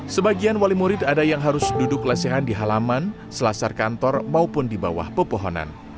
sebagian wali murid ada yang harus duduk lesehan di halaman selasar kantor maupun di bawah pepohonan